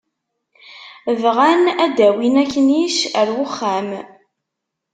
Bɣan ad d-awin aknic ar wexxam.